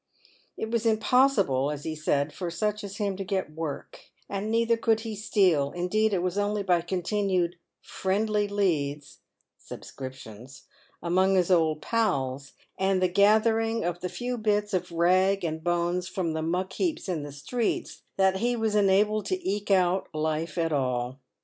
It was impossible, as he said, for such as him to get work, and neither could he steal — indeed, it was only by continued " friendly leads" (subscriptions) among his old pals, and the gathering of the few bits of rag and bones from the muck heaps in the streets, that he was enabled to eke out life at all.